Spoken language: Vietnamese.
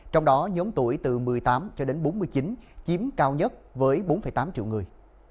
trong đó nhóm tuổi từ một mươi tám cho đến bốn mươi chín chiếm cao nhất với bốn tám triệu người